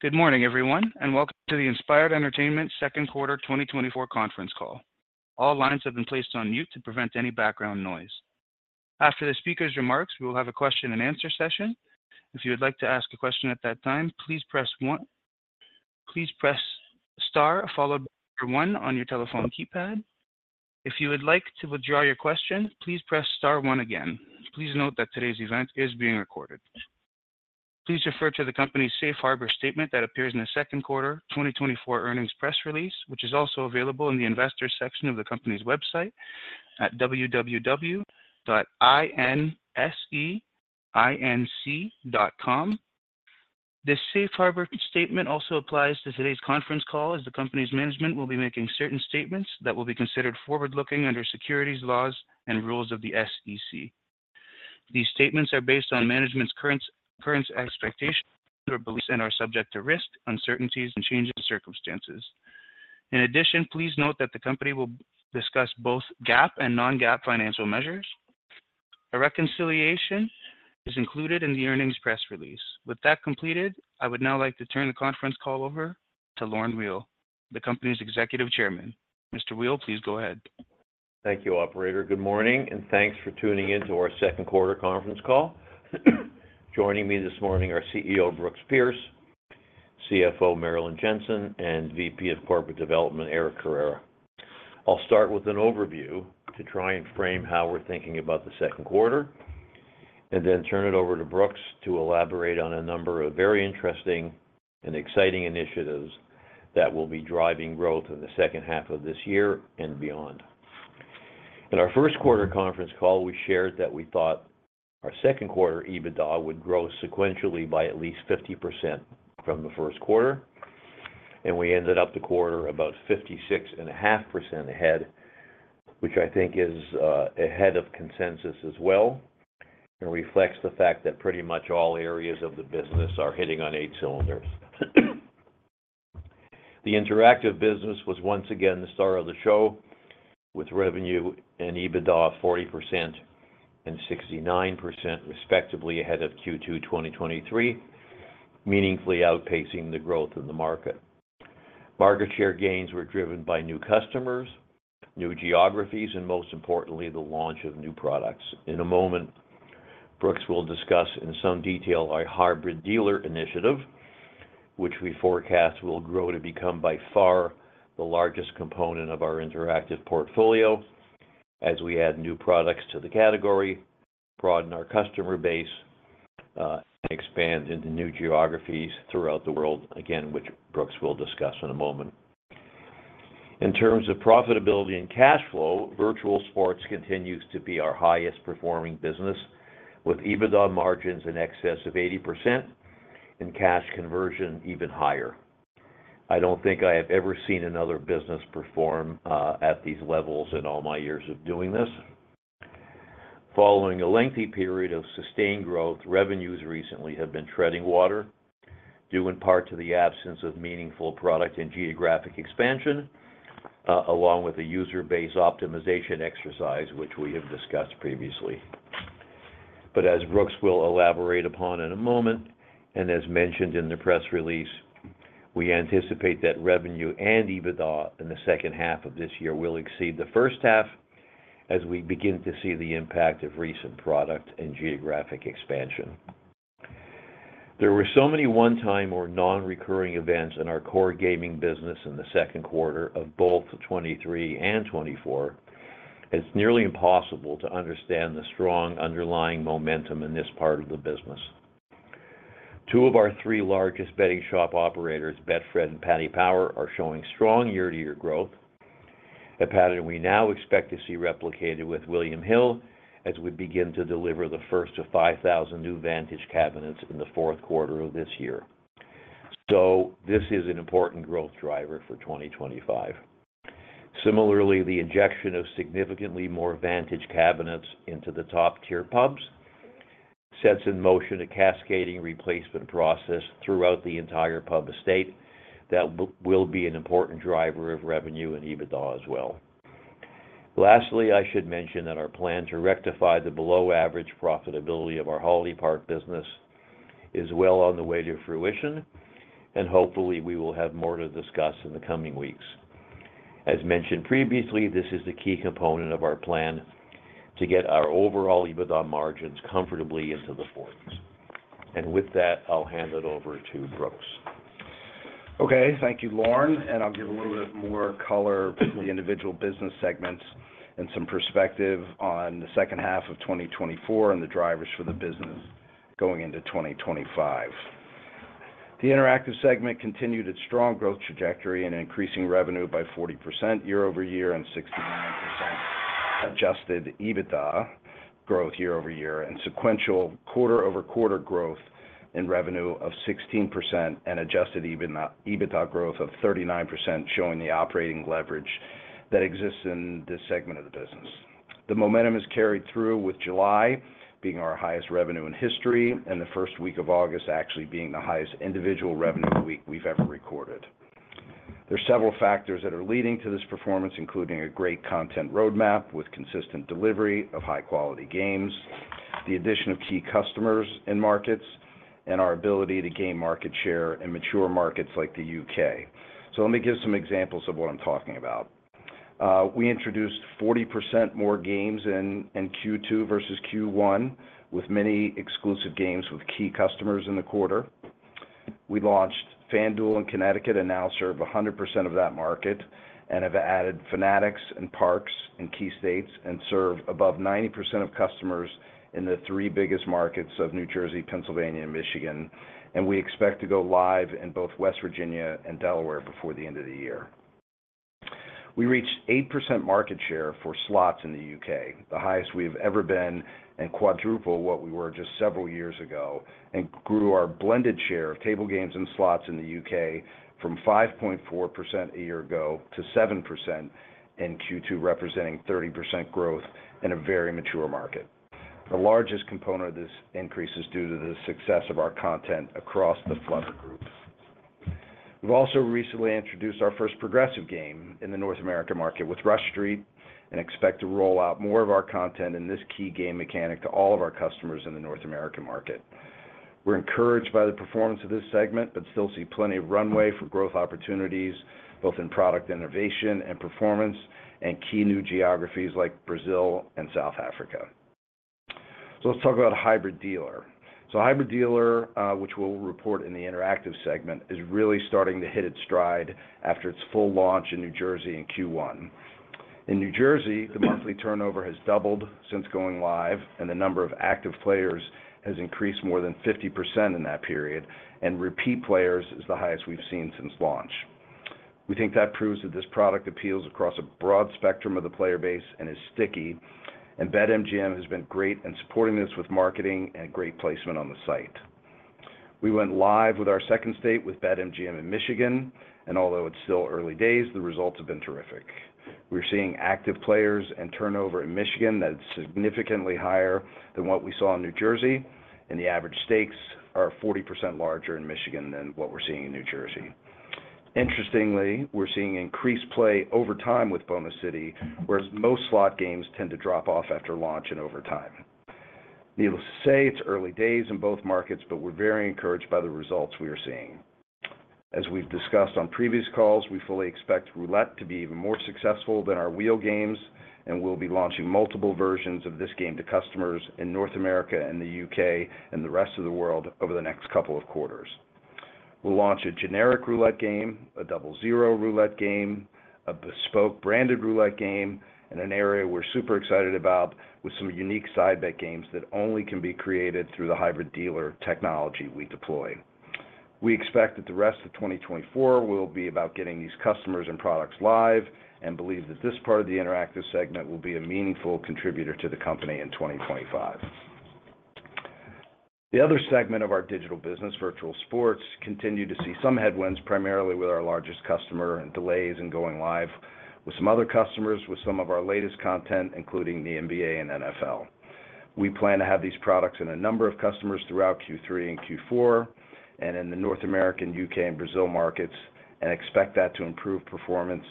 Good morning, everyone, and welcome to the Inspired Entertainment second quarter 2024 conference call. All lines have been placed on mute to prevent any background noise. After the speaker's remarks, we will have a question and answer session. If you would like to ask a question at that time, please press Star, followed by the number one on your telephone keypad. If you would like to withdraw your question, please press Star one again. Please note that today's event is being recorded. Please refer to the company's Safe Harbor statement that appears in the second quarter 2024 earnings press release, which is also available in the Investors section of the company's website at www.inseinc.com. This Safe Harbor statement also applies to today's conference call, as the company's management will be making certain statements that will be considered forward-looking under securities laws and rules of the SEC. These statements are based on management's current expectations or beliefs and are subject to risk, uncertainties, and changes in circumstances. In addition, please note that the company will discuss both GAAP and non-GAAP financial measures. A reconciliation is included in the earnings press release. With that completed, I would now like to turn the conference call over to Lorne Weil, the company's Executive Chairman. Mr. Weil, please go ahead. Thank you, operator. Good morning, and thanks for tuning in to our second quarter conference call. Joining me this morning are CEO Brooks Pierce, CFO Marilyn Jentzen, and VP of Corporate Development Eric Carrera. I'll start with an overview to try and frame how we're thinking about the second quarter, and then turn it over to Brooks to elaborate on a number of very interesting and exciting initiatives that will be driving growth in the second half of this year and beyond. In our first quarter conference call, we shared that we thought our second quarter EBITDA would grow sequentially by at least 50% from the first quarter, and we ended up the quarter about 56.5% ahead, which I think is ahead of consensus as well, and reflects the fact that pretty much all areas of the business are hitting on eight cylinders. The interactive business was once again the star of the show, with revenue and EBITDA 40% and 69%, respectively, ahead of Q2 2023, meaningfully outpacing the growth in the market. Market share gains were driven by new customers, new geographies, and most importantly, the launch of new products. In a moment, Brooks will discuss in some detail our Hybrid Dealer initiative, which we forecast will grow to become by far the largest component of our interactive portfolio as we add new products to the category, broaden our customer base, and expand into new geographies throughout the world. Again, which Brooks will discuss in a moment. In terms of profitability and cash flow, virtual sports continues to be our highest performing business, with EBITDA margins in excess of 80% and cash conversion even higher. I don't think I have ever seen another business perform at these levels in all my years of doing this. Following a lengthy period of sustained growth, revenues recently have been treading water, due in part to the absence of meaningful product and geographic expansion, along with a user-base optimization exercise, which we have discussed previously. But as Brooks will elaborate upon in a moment, and as mentioned in the press release, we anticipate that revenue and EBITDA in the second half of this year will exceed the first half as we begin to see the impact of recent product and geographic expansion. There were so many one-time or non-recurring events in our core gaming business in the second quarter of both 2023 and 2024, it's nearly impossible to understand the strong underlying momentum in this part of the business. Two of our three largest betting shop operators, Betfred and Paddy Power, are showing strong year-to-year growth, a pattern we now expect to see replicated with William Hill as we begin to deliver the first of 5,000 new Vantage cabinets in the fourth quarter of this year. So this is an important growth driver for 2025. Similarly, the injection of significantly more Vantage cabinets into the top-tier pubs sets in motion a cascading replacement process throughout the entire pub estate that will be an important driver of revenue and EBITDA as well. Lastly, I should mention that our plan to rectify the below-average profitability of our Holiday Park business is well on the way to fruition, and hopefully, we will have more to discuss in the coming weeks. As mentioned previously, this is the key component of our plan to get our overall EBITDA margins comfortably into the fourth. With that, I'll hand it over to Brooks. Okay, thank you, Lorne, and I'll give a little bit more color to the individual business segments and some perspective on the second half of 2024 and the drivers for the business going into 2025. The interactive segment continued its strong growth trajectory and increasing revenue by 40% year-over-year, and 69% adjusted EBITDA growth year-over-year, and sequential quarter-over-quarter growth in revenue of 16% and adjusted EBITDA growth of 39%, showing the operating leverage that exists in this segment of the business. The momentum is carried through, with July being our highest revenue in history and the first week of August actually being the highest individual revenue week we've ever recorded. There are several factors that are leading to this performance, including a great content roadmap with consistent delivery of high-quality games, the addition of key customers and markets, and our ability to gain market share in mature markets like the U.K.. So let me give some examples of what I'm talking about. We introduced 40% more games in Q2 versus Q1, with many exclusive games with key customers in the quarter. We launched FanDuel in Connecticut and now serve 100% of that market, and have added Fanatix and Parx in key states, and serve above 90% of customers in the three biggest markets of New Jersey, Pennsylvania, and Michigan. We expect to go live in both West Virginia and Delaware before the end of the year. We reached 8% market share for slots in the U.K., the highest we have ever been, and quadruple what we were just several years ago, and grew our blended share of table games and slots in the U.K. from 5.4% a year ago to 7% in Q2, representing 30% growth in a very mature market. The largest component of this increase is due to the success of our content across the Flutter group. We've also recently introduced our first progressive game in the North American market with Rush Street, and expect to roll out more of our content in this key game mechanic to all of our customers in the North American market. We're encouraged by the performance of this segment, but still see plenty of runway for growth opportunities, both in product innovation and performance, and key new geographies like Brazil and South Africa. Let's talk about Hybrid Dealer. Hybrid Dealer, which we'll report in the interactive segment, is really starting to hit its stride after its full launch in New Jersey in Q1. In New Jersey, the monthly turnover has doubled since going live, and the number of active players has increased more than 50% in that period, and repeat players is the highest we've seen since launch. We think that proves that this product appeals across a broad spectrum of the player base and is sticky, and BetMGM has been great in supporting this with marketing and great placement on the site. We went live with our second state with BetMGM in Michigan, and although it's still early days, the results have been terrific. We're seeing active players and turnover in Michigan that's significantly higher than what we saw in New Jersey, and the average stakes are 40% larger in Michigan than what we're seeing in New Jersey. Interestingly, we're seeing increased play over time with Bonus City, whereas most slot games tend to drop off after launch and over time. Needless to say, it's early days in both markets, but we're very encouraged by the results we are seeing. As we've discussed on previous calls, we fully expect roulette to be even more successful than our wheel games, and we'll be launching multiple versions of this game to customers in North America and the U.K., and the rest of the world over the next couple of quarters. We'll launch a generic roulette game, a double zero roulette game, a bespoke branded roulette game, and an area we're super excited about with some unique side bet games that only can be created through the Hybrid Dealer technology we deploy. We expect that the rest of 2024 will be about getting these customers and products live, and believe that this part of the interactive segment will be a meaningful contributor to the company in 2025. The other segment of our digital business, Virtual Sports, continued to see some headwinds, primarily with our largest customer, and delays in going live with some other customers with some of our latest content, including the NBA and NFL. We plan to have these products in a number of customers throughout Q3 and Q4, and in the North America, U.K., and Brazil markets, and expect that to improve performance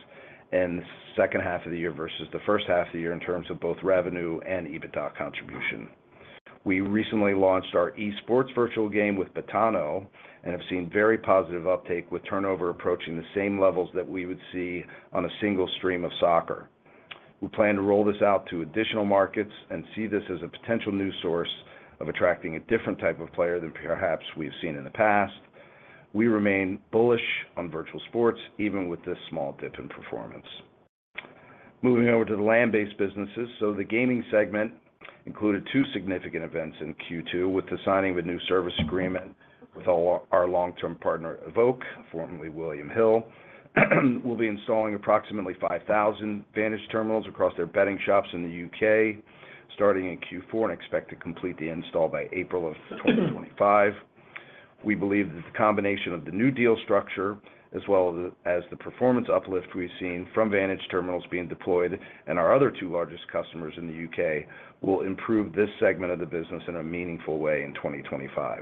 in the second half of the year versus the first half of the year in terms of both revenue and EBITDA contribution. We recently launched our esports virtual game with Betano and have seen very positive uptake, with turnover approaching the same levels that we would see on a single stream of soccer. We plan to roll this out to additional markets and see this as a potential new source of attracting a different type of player than perhaps we've seen in the past. We remain bullish on virtual sports, even with this small dip in performance. Moving over to the land-based businesses. So the gaming segment included two significant events in Q2 with the signing of a new service agreement with our long-term partner, Evoke, formerly William Hill. We'll be installing approximately 5,000 Vantage terminals across their betting shops in the U.K., starting in Q4, and expect to complete the install by April of 2025. We believe that the combination of the new deal structure as well as the performance uplift we've seen from Vantage terminals being deployed and our other two largest customers in the U.K., will improve this segment of the business in a meaningful way in 2025.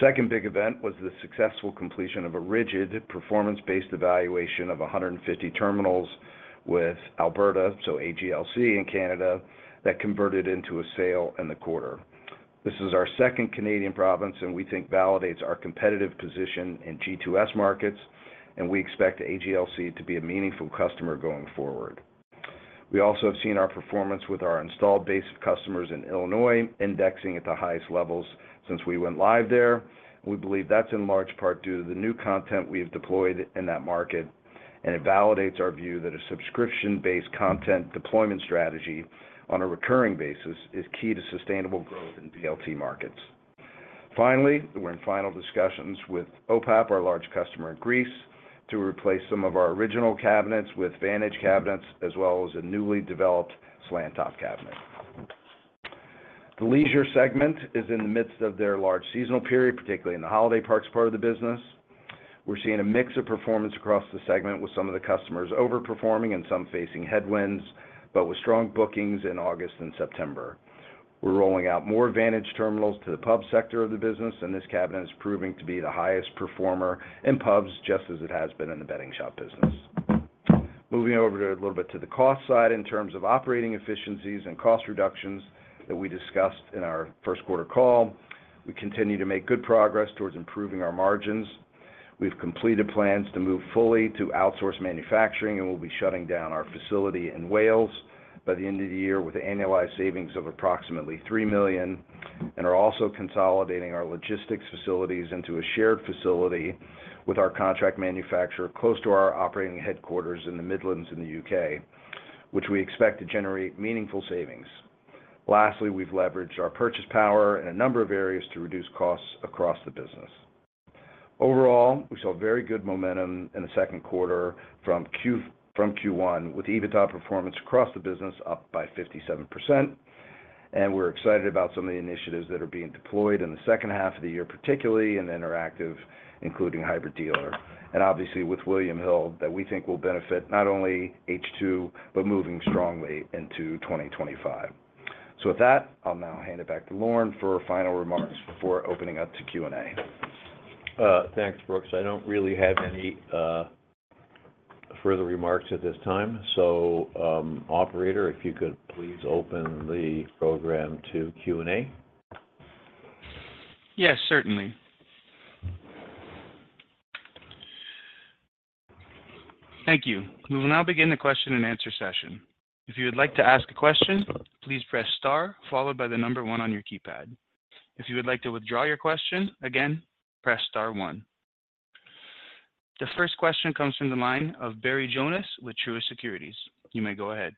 Second big event was the successful completion of a rigid, performance-based evaluation of 150 terminals with Alberta, so AGLC in Canada, that converted into a sale in the quarter. This is our second Canadian province, and we think validates our competitive position in G2S markets, and we expect AGLC to be a meaningful customer going forward. We also have seen our performance with our installed base of customers in Illinois, indexing at the highest levels since we went live there. We believe that's in large part due to the new content we have deployed in that market, and it validates our view that a subscription-based content deployment strategy on a recurring basis is key to sustainable growth in VLT markets. Finally, we're in final discussions with OPAP, our large customer in Greece, to replace some of our original cabinets with Vantage cabinets, as well as a newly developed slant top cabinet. The leisure segment is in the midst of their large seasonal period, particularly in the holiday parks part of the business. We're seeing a mix of performance across the segment, with some of the customers overperforming and some facing headwinds, but with strong bookings in August and September.... We're rolling out more Vantage terminals to the pub sector of the business, and this cabinet is proving to be the highest performer in pubs, just as it has been in the betting shop business. Moving over to, a little bit to the cost side in terms of operating efficiencies and cost reductions that we discussed in our first quarter call, we continue to make good progress towards improving our margins. We've completed plans to move fully to outsource manufacturing, and we'll be shutting down our facility in Wales by the end of the year with annualized savings of approximately $3 million, and are also consolidating our logistics facilities into a shared facility with our contract manufacturer close to our operating headquarters in the Midlands in the U.K., which we expect to generate meaningful savings. Lastly, we've leveraged our purchasing power in a number of areas to reduce costs across the business. Overall, we saw very good momentum in the second quarter from Q1, with EBITDA performance across the business up by 57%, and we're excited about some of the initiatives that are being deployed in the second half of the year, particularly in Interactive, including Hybrid Dealer, and obviously with William Hill, that we think will benefit not only H2, but moving strongly into 2025. With that, I'll now hand it back to Lorne for final remarks before opening up to Q&A. Thanks, Brooks. I don't really have any further remarks at this time, so, operator, if you could please open the program to Q&A. Thanks, Brooks. I don't really have any further remarks at this time, so, operator, if you could please open the program to Q&A. Yes, certainly. Thank you. We will now begin the question-and-answer session. If you would like to ask a question, please press star followed by the number one on your keypad. If you would like to withdraw your question, again, press star one. The first question comes from the line of Barry Jonas with Truist Securities. You may go ahead.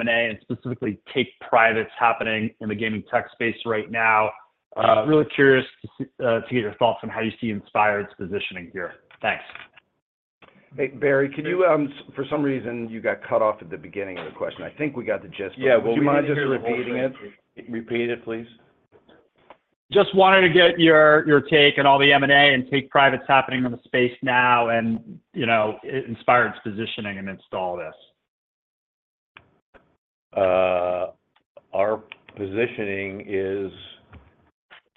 M&A, and specifically take privates happening in the gaming tech space right now. Really curious to see to get your thoughts on how you see Inspired's positioning here. Thanks. Hey, Barry, could you, For some reason, you got cut off at the beginning of the question. I think we got the gist, but would you mind just repeating it? Yeah, would you just repeat it, please? Just wanted to get your take on all the M&A and take privates happening in the space now and, you know, Inspired's positioning and installed base. Our positioning is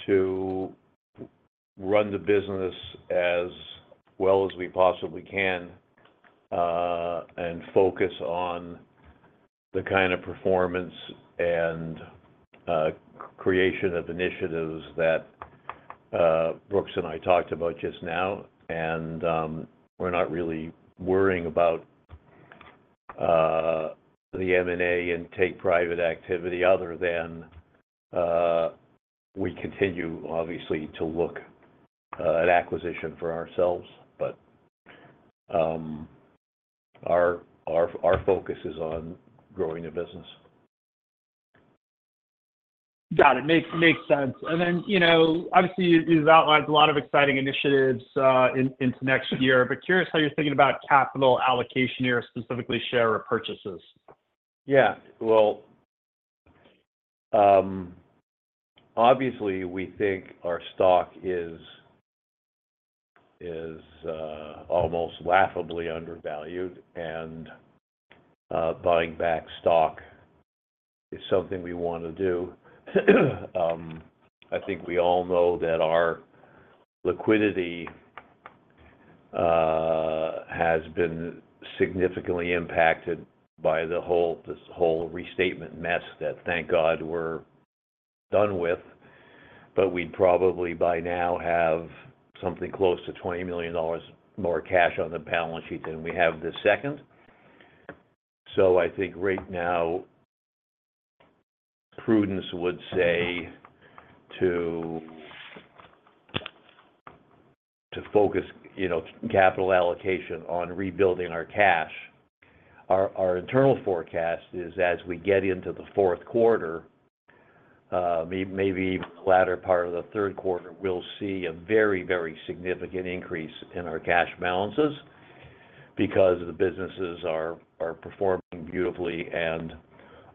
to run the business as well as we possibly can, and focus on the kind of performance and creation of initiatives that Brooks and I talked about just now. And, we're not really worrying about the M&A and take private activity other than we continue, obviously, to look at acquisition for ourselves. But, our focus is on growing the business. Got it. Makes sense. And then, you know, obviously, you've outlined a lot of exciting initiatives into next year, but curious how you're thinking about capital allocation here, specifically share repurchases. Yeah. Well, obviously, we think our stock is almost laughably undervalued, and buying back stock is something we want to do. I think we all know that our liquidity has been significantly impacted by this whole restatement mess that, thank God, we're done with, but we'd probably by now have something close to $20 million more cash on the balance sheet than we have this second. So I think right now, prudence would say to focus, you know, capital allocation on rebuilding our cash. Our internal forecast is, as we get into the fourth quarter, maybe even the latter part of the third quarter, we'll see a very, very significant increase in our cash balances because the businesses are performing beautifully, and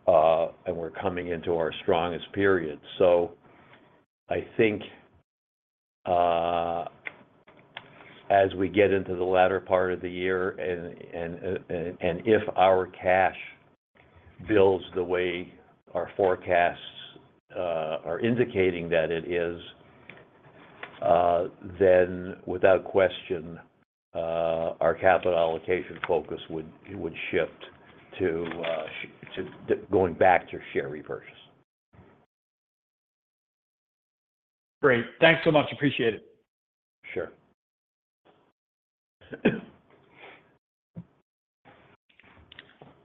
we're coming into our strongest period. So I think, as we get into the latter part of the year, and if our cash builds the way our forecasts are indicating that it is, then without question, our capital allocation focus would shift to the going back to share repurchase. Great. Thanks so much. Appreciate it. Sure.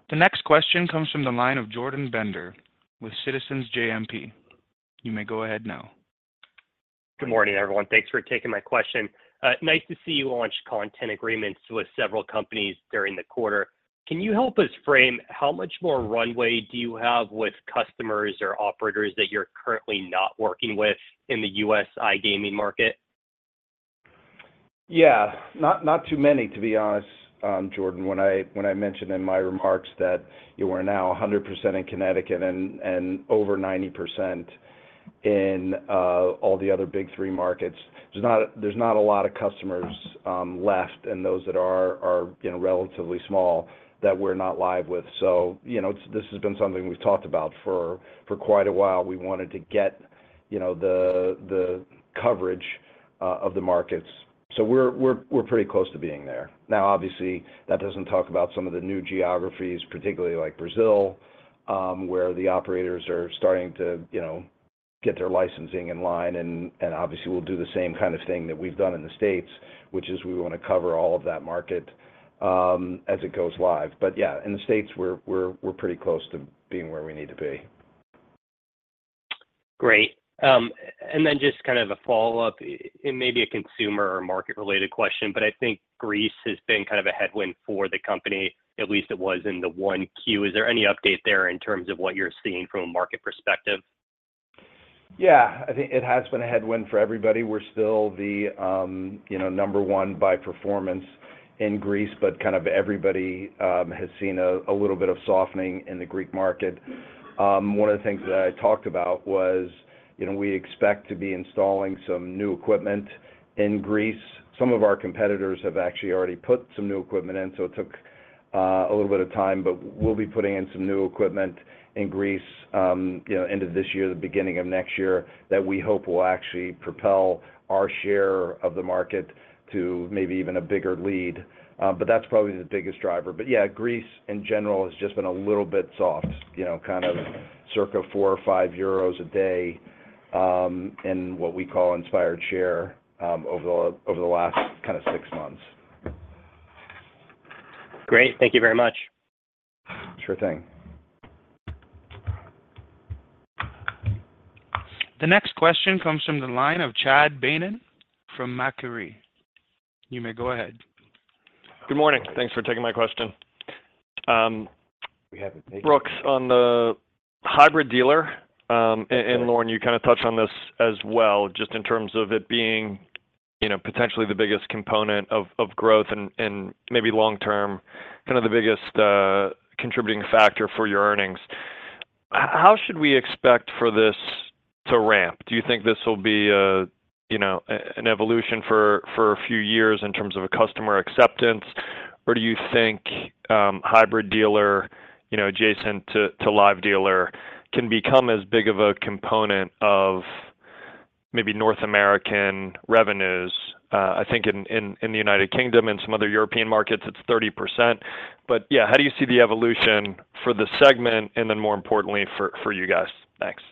The next question comes from the line of Jordan Bender with Citizens JMP. You may go ahead now. Good morning, everyone. Thanks for taking my question. Nice to see you launch content agreements with several companies during the quarter. Can you help us frame how much more runway do you have with customers or operators that you're currently not working with in the U.S. iGaming market? Yeah. Not, not too many, to be honest, Jordan. When I, when I mentioned in my remarks that, you know, we're now 100% in Connecticut and, and over 90%, in, all the other big three markets, there's not, there's not a lot of customers, left, and those that are, are, you know, relatively small, that we're not live with. So, you know, this has been something we've talked about for, for quite a while. We wanted to get, you know, the, the coverage, of the markets. So we're, we're, we're pretty close to being there. Now, obviously, that doesn't talk about some of the new geographies, particularly like Brazil, where the operators are starting to, you know, get their licensing in line, and obviously, we'll do the same kind of thing that we've done in the States, which is we wanna cover all of that market, as it goes live. But yeah, in the States, we're pretty close to being where we need to be. Great. And then just kind of a follow-up, it may be a consumer or market-related question, but I think Greece has been kind of a headwind for the company, at least it was in the 1Q. Is there any update there in terms of what you're seeing from a market perspective? Yeah. I think it has been a headwind for everybody. We're still the, you know, number one by performance in Greece, but kind of everybody has seen a little bit of softening in the Greek market. One of the things that I talked about was, you know, we expect to be installing some new equipment in Greece. Some of our competitors have actually already put some new equipment in, so it took a little bit of time, but we'll be putting in some new equipment in Greece, you know, end of this year, the beginning of next year, that we hope will actually propel our share of the market to maybe even a bigger lead. But that's probably the biggest driver. But yeah, Greece, in general, has just been a little bit soft, you know, kind of circa 4 or 5 euros a day, in what we call Inspired share, over the last kinda six months. Great. Thank you very much. Sure thing. The next question comes from the line of Chad Beynon from Macquarie. You may go ahead. Good morning. Thanks for taking my question. Brooks, on the Hybrid Dealer, and Lorne, you kinda touched on this as well, just in terms of it being, you know, potentially the biggest component of growth and maybe long term, kind of the biggest contributing factor for your earnings. How should we expect for this to ramp? Do you think this will be a, you know, an evolution for a few years in terms of a customer acceptance? Or do you think, Hybrid Dealer, you know, adjacent to live dealer, can become as big of a component of maybe North American revenues? I think in the United Kingdom and some other European markets, it's 30%. But yeah, how do you see the evolution for the segment and then more importantly, for you guys? Thanks.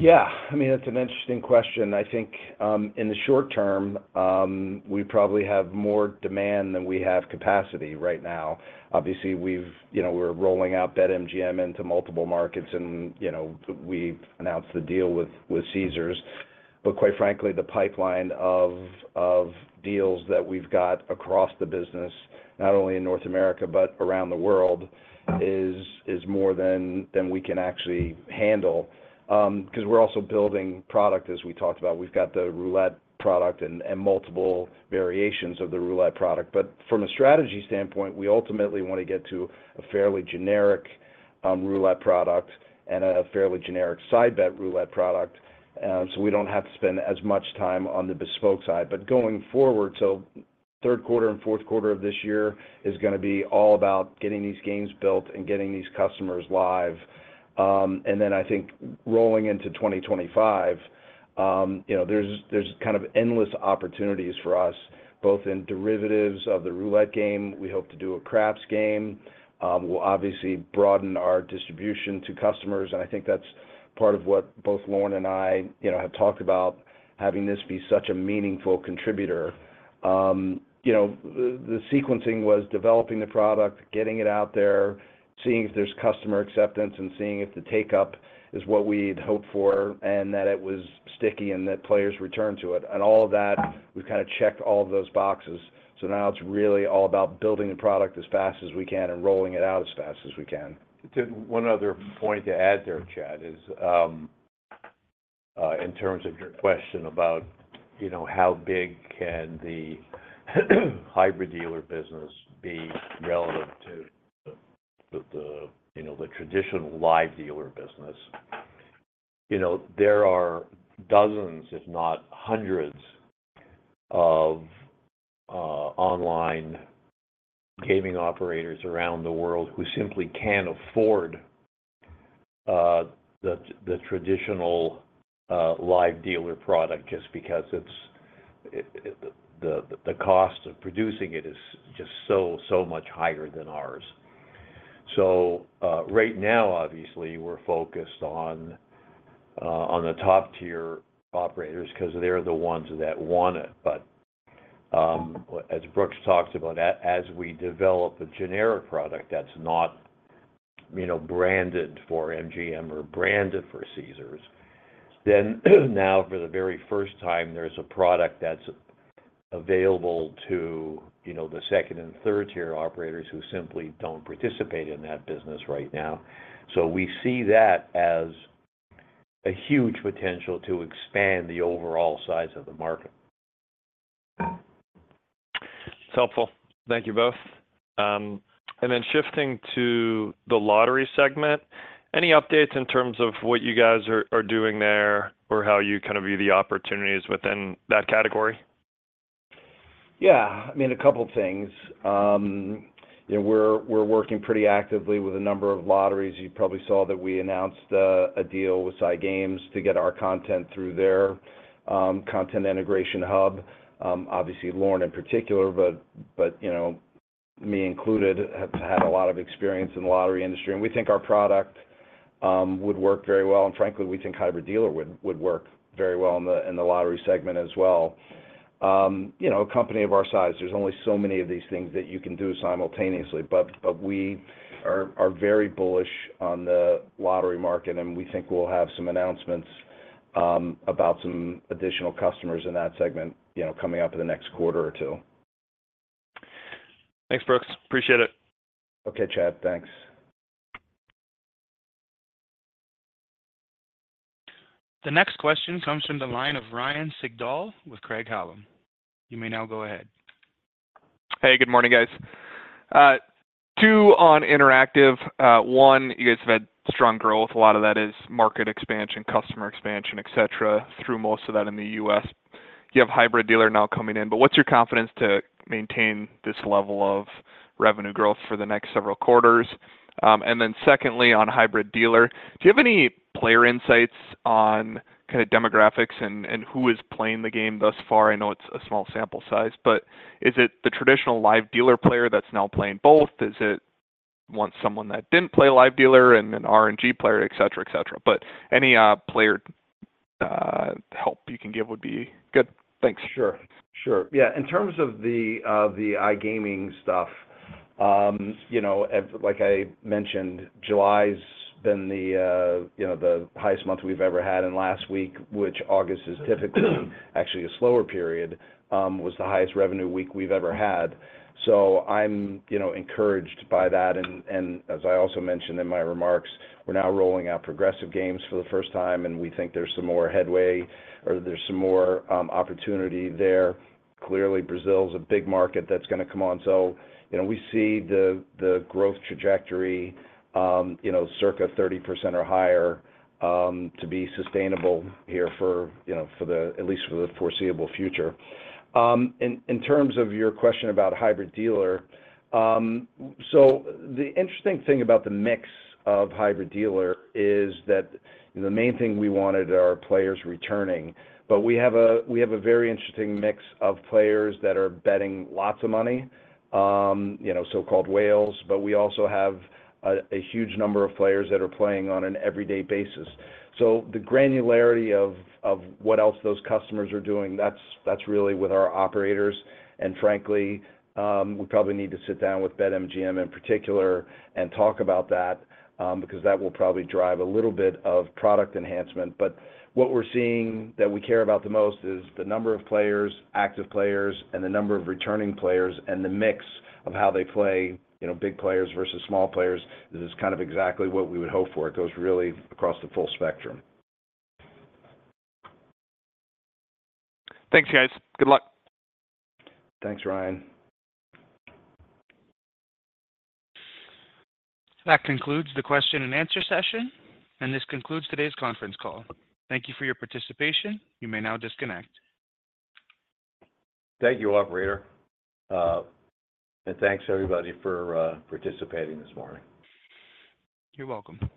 Yeah. I mean, that's an interesting question. I think in the short term, we probably have more demand than we have capacity right now. Obviously, we've, you know, we're rolling out BetMGM into multiple markets and, you know, we've announced the deal with Caesars. But quite frankly, the pipeline of deals that we've got across the business, not only in North America, but around the world, is more than we can actually handle. 'Cause we're also building product, as we talked about. We've got the roulette product and multiple variations of the roulette product. But from a strategy standpoint, we ultimately wanna get to a fairly generic roulette product and a fairly generic side bet roulette product, so we don't have to spend as much time on the bespoke side. But going forward, so third quarter and fourth quarter of this year is gonna be all about getting these games built and getting these customers live. And then I think rolling into 2025, you know, there's kind of endless opportunities for us, both in derivatives of the roulette game. We hope to do a craps game. We'll obviously broaden our distribution to customers, and I think that's part of what both Lorne and I, you know, have talked about, having this be such a meaningful contributor. You know, the sequencing was developing the product, getting it out there, seeing if there's customer acceptance, and seeing if the take-up is what we'd hoped for, and that it was sticky and that players return to it. And all of that, we've kind checked all of those boxes. Now it's really all about building the product as fast as we can and rolling it out as fast as we can. One other point to add there, Chad, is in terms of your question about, you know, how big can the Hybrid Dealer business be relevant to the, the, you know, the traditional live dealer business? You know, there are dozens, if not hundreds, of online gaming operators around the world who simply can't afford the traditional live dealer product, just because it's, it, the cost of producing it is just so, so much higher than ours. So, right now, obviously, we're focused on the top-tier operators because they're the ones that want it. But, as Brooks talked about, as we develop a generic product that's not, you know, branded for MGM or branded for Caesars, then now, for the very first time, there's a product that's available to, you know, the second and third-tier operators who simply don't participate in that business right now. So we see that as a huge potential to expand the overall size of the market. That's helpful. Thank you both. And then shifting to the lottery segment, any updates in terms of what you guys are doing there or how you kind of view the opportunities within that category? Yeah, I mean, a couple things. You know, we're working pretty actively with a number of lotteries. You probably saw that we announced a deal with SciGames to get our content through their content integration hub. Obviously, Lorne in particular, but you know, me included, have had a lot of experience in the lottery industry, and we think our product would work very well, and frankly, we think Hybrid Dealer would work very well in the lottery segment as well. You know, a company of our size, there's only so many of these things that you can do simultaneously, but we are very bullish on the lottery market, and we think we'll have some announcements about some additional customers in that segment, you know, coming up in the next quarter or two. Thanks, Brooks. Appreciate it. Okay, Chad, thanks. The next question comes from the line of Ryan Sigdahl with Craig-Hallum. You may now go ahead. Hey, good morning, guys. Two on interactive. One, you guys have had strong growth. A lot of that is market expansion, customer expansion, et cetera, through most of that in the U.S. You have Hybrid Dealer now coming in, but what's your confidence to maintain this level of revenue growth for the next several quarters? And then secondly, on Hybrid Dealer, do you have any player insights on kinda demographics and who is playing the game thus far? I know it's a small sample size, but is it the traditional live dealer player that's now playing both? Is it once someone that didn't play live dealer and an RNG player, et cetera, et cetera? But any player help you can give would be good. Thanks. Sure, sure. Yeah. In terms of the, the iGaming stuff, you know, like I mentioned, July's been the, you know, the highest month we've ever had in last week, which August is typically actually a slower period, was the highest revenue week we've ever had. So I'm, you know, encouraged by that, and, and as I also mentioned in my remarks, we're now rolling out progressive games for the first time, and we think there's some more headway or there's some more, opportunity there. Clearly, Brazil is a big market that's gonna come on. So, you know, we see the, the growth trajectory, you know, circa 30% or higher, to be sustainable here for, you know, for the. At least for the foreseeable future. In terms of your question about Hybrid Dealer, the interesting thing about the mix of Hybrid Dealer is that the main thing we wanted are players returning. But we have a very interesting mix of players that are betting lots of money, you know, so-called whales, but we also have a huge number of players that are playing on an everyday basis. So the granularity of what else those customers are doing, that's really with our operators. And frankly, we probably need to sit down with BetMGM, in particular, and talk about that, because that will probably drive a little bit of product enhancement. What we're seeing that we care about the most is the number of players, active players, and the number of returning players, and the mix of how they play, you know, big players versus small players. This is kind of exactly what we would hope for. It goes really across the full spectrum. Thanks, guys. Good luck. Thanks, Ryan. That concludes the question and answer session, and this concludes today's conference call. Thank you for your participation. You may now disconnect. Thank you, operator. Thanks everybody for participating this morning. You're welcome.